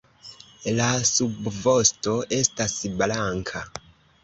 La subvosto estas blanka.